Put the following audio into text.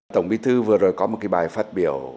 tổng bí thư vừa rồi có một cái bài phát biểu